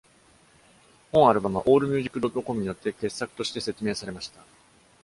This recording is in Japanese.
本アルバムは allmusic dot com によって傑作として説明されました。